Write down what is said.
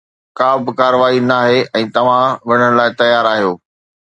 ڪابه ڪارروائي ناهي ۽ توهان وڙهڻ لاء تيار آهيو